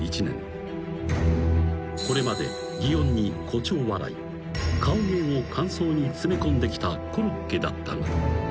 ［これまで擬音に誇張笑い顔芸を間奏に詰め込んできたコロッケだったが］